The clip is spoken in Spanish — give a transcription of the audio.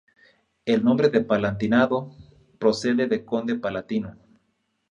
El nombre de "Palatinado" procede de Conde Palatino.